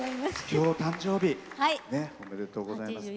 きょう誕生日おめでとうございます。